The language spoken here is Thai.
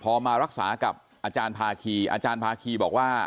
พอมารักษากับอาจารย์ภาคีอาจารย์ภาคีบอกว่า